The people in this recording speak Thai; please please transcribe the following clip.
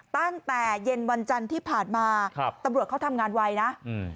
ตั้งแต่เย็นวันจันทร์ที่ผ่านมาครับตำรวจเขาทำงานไวนะอืม